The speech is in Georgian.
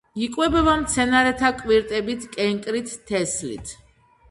იკვებება მცენარეთა კვირტებით, კენკრით, თესლით.